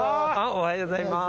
おはようございます。